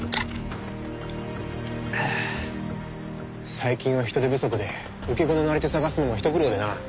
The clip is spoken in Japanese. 最近は人手不足で受け子のなり手探すのもひと苦労でな。